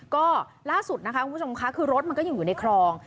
ก็ล่าสุดนะคะคุณผู้ชมค่ะคือรถมันก็ยังอยู่ในคลอง